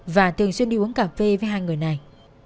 và thường xuyên đi uống cà phê với hai người này